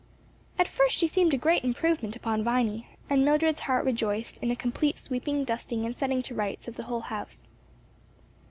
At first she seemed a great improvement upon Viny, and Mildred's heart rejoiced in a complete sweeping, dusting and setting to rights of the whole house.